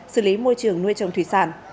xử lý môi trường nuôi trồng thủy sản